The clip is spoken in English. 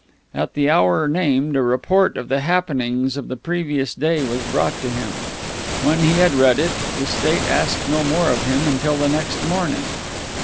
At the hour named a report of the happenings of the previous day was brought to him. When he had read it the state asked no more of him until the next morning.